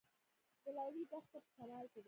د لیلی دښته په شمال کې ده